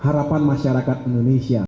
harapan masyarakat indonesia